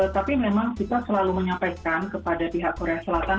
tapi memang kita selalu menyampaikan kepada pihak korea selatan